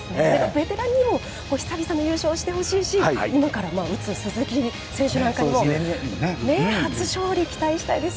ベテランにも、久々の優勝をしてほしいし、今から打つ鈴木選手なんかにも初勝利、期待したいです。